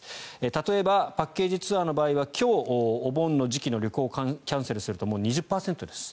例えばパッケージツアーの場合は今日、お盆の時期の旅行をキャンセルすると２０％です。